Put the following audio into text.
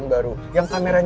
sekarang kan muka diri wangi